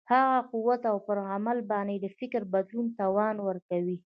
هغه قوت او پر عمل باندې د فکر بدلولو توان ورکوي.